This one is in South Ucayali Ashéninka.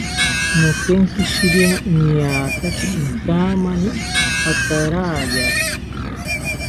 Nokenkishiria niataki inkamani atarayaki